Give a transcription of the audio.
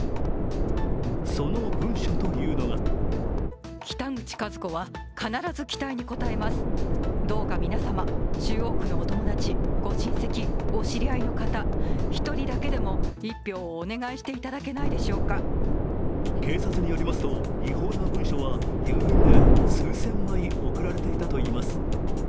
その文書というのが警察によりますと違法な文書は郵便で数千枚送られていたといいます。